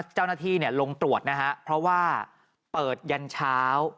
เจ้านาธิลงตรวจเพราะว่าเปิดยานเช้า